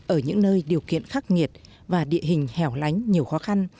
ở những nơi điều kiện khắc nghiệt và địa hình hẻo lánh nhiều khó khăn